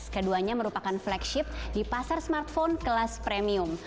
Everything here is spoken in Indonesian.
keduanya merupakan flagship di pasar smartphone kelas premium